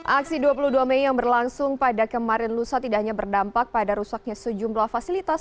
aksi dua puluh dua mei yang berlangsung pada kemarin lusa tidak hanya berdampak pada rusaknya sejumlah fasilitas